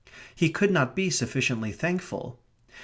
He could not be sufficiently thankful.